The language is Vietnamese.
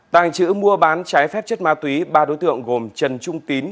tàng trữ mua bán trái phép chất ma túy ba đối tượng gồm trần trung tín